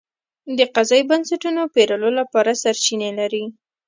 د قضایي بنسټونو پېرلو لپاره سرچینې لري.